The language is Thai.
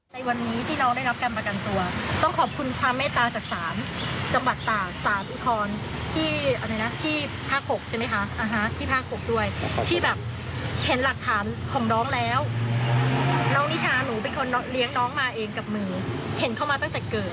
ตั้งแต่มาเรียนที่รัฐกระบังน้องได้รับศิลป์นิยมอันดับหนึ่ง